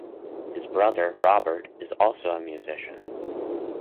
His brother, Robert, is also a musician.